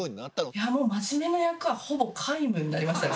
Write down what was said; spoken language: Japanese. いやもう真面目な役はほぼ皆無になりましたね